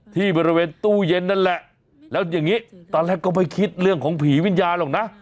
ที่บริเวณตู้เย็นนั่นแหละแล้วอย่างนี้ตอนแรกก็ไม่คิดเรื่องของผีวิญญาณหรอกนะ